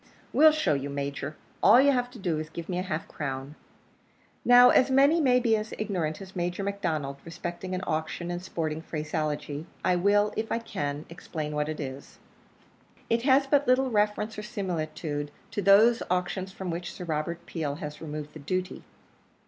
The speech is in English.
"We'll show you, Major. All you've to do is to give me half a crown." Now, as many may be as ignorant as Major McDonnell respecting an auction in sporting phraseology, I will, if I can, explain what it is. It has but little reference or similitude to those auctions from which Sir Robert Peel has removed the duty.